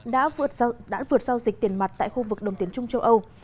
đã vượt giao dịch tiền mặt tại khu vực đồng tiền trung châu âu